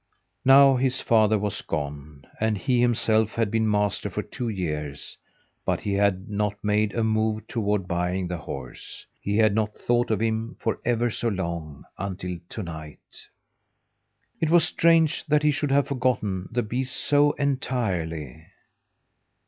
Now his father was gone and he himself had been master for two years, but he had not made a move toward buying the horse. He had not thought of him for ever so long, until to night. It was strange that he should have forgotten the beast so entirely!